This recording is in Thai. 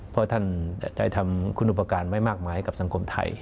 เพราะท่านได้ทำคุณอุปการณ์ไว้มากมายกับสังคมไทย